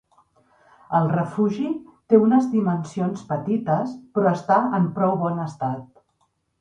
El refugi té unes dimensions petites, però està en prou bon estat.